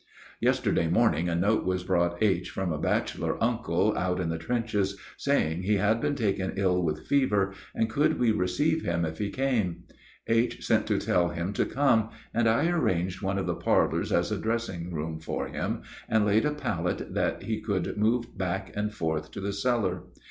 Yesterday morning a note was brought H. from a bachelor uncle out in the trenches, saying he had been taken ill with fever, and could we receive him if he came? H. sent to tell him to come, and I arranged one of the parlors as a dressing room for him, and laid a pallet that he could move back and forth to the cellar.